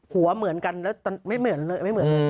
หัวเหมือนกันไม่เหมือนเลย